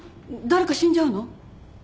誰か死んじゃうの？